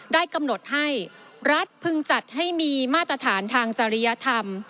ได้กำหนดให้รัฐพึงจัดให้มีมาตรฐานทางจริยธรรม